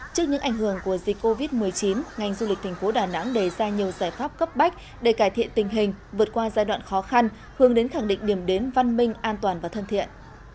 trước những ảnh hưởng của dịch covid một mươi chín ngành du lịch thành phố đà nẵng đề ra nhiều giải pháp cấp bách để cải thiện tình hình vượt qua giai đoạn khó khăn hướng đến khẳng định điểm đến văn minh an toàn và thân thiện